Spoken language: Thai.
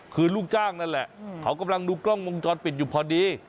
คือลูกจ้างนั่นแหละเขากำลังดูกล้องวงจรปิดอยู่พอดี